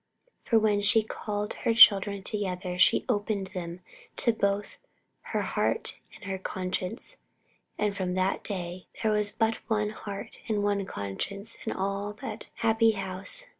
For when she called her children together she opened to them both her heart and her conscience; and from that day there was but one heart and one conscience in all that happy house.